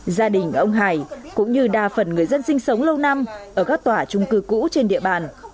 gia đình ông hải cũng như đa phần người dân sinh sống lâu năm ở các tòa trung cư cũ trên địa bàn